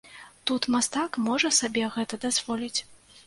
Тут мастак можа сабе гэта дазволіць.